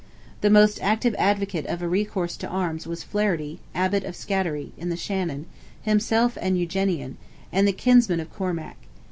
The most active advocate of a recourse to arms was Flaherty, Abbot of Scattery, in the Shannon, himself an Eugenian, and the kinsman of Cormac.